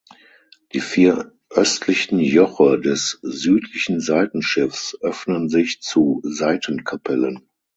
Die vier östlichen Joche des südlichen Seitenschiffs öffnen sich zu Seitenkapellen.